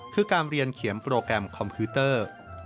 คือการเรียนเขียนโปรแกรมคอมพิวเตอร์